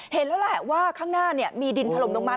เห็นแล้วแหละว่าข้างหน้ามีดินถล่มลงมา